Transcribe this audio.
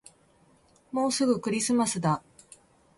もうすぐクリスマスだ